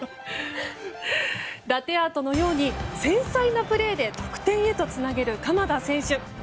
ラテアートのように繊細なプレーで得点へとつなげる鎌田選手。